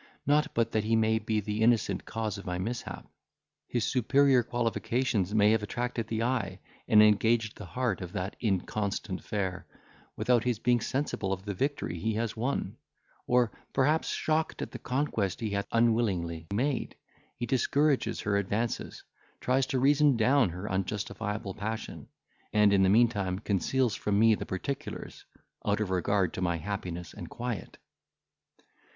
Not but that he may be the innocent cause of my mishap. His superior qualifications may have attracted the eye, and engaged the heart of that inconstant fair, without his being sensible of the victory he has won; or, perhaps, shocked at the conquest he hath unwillingly made, he discourages her advances, tries to reason down her unjustifiable passion, and in the meantime conceals from me the particulars, out of regard to my happiness and quiet."